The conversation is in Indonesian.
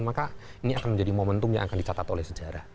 maka ini akan menjadi momentum yang akan dicatat oleh sejarah